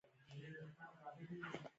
او په پوره تدبیر سره.